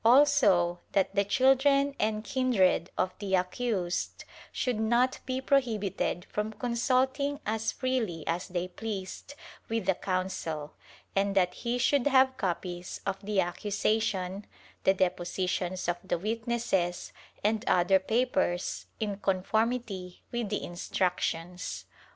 Also that the children and kindred of the accused should not be prohibited from consulting as freely as they pleased with the counsel, and that he should have copies of the accusation, the depositions of the witnesses and other papers in conformity with the Instructions.